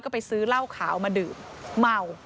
ก็ไปซื้อเหล้าขาวมาดื่มเมา